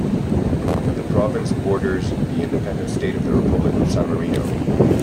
The province borders the independent state of the Republic of San Marino.